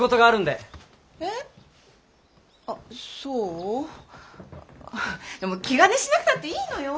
でも気兼ねしなくたっていいのよ。